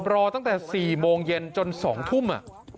รอตั้งแต่๔โมงเย็นจน๒ทุ่ม